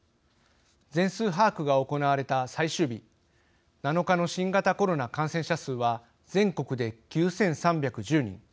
全数把握が行われた最終日７日の新型コロナ感染者数は全国で９３１０人。